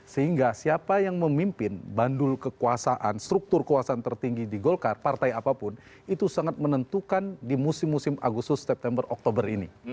sehingga siapa yang memimpin bandul kekuasaan struktur kekuasaan tertinggi di golkar partai apapun itu sangat menentukan di musim musim agustus september oktober ini